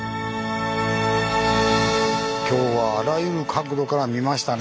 今日はあらゆる角度から見ましたね。